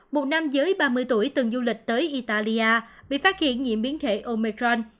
một nam giới ba mươi tuổi từng du lịch tới italia bị phát hiện nhiễm biến thể omecron